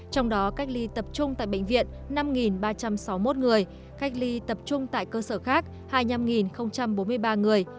trong đó cách ly tập trung tại bệnh viện năm ba trăm sáu mươi một người cách ly tập trung tại cơ sở khác hai mươi năm bốn mươi ba người